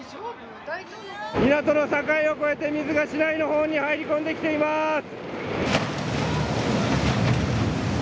港の境を越えて水が市内の方に入り込んできています！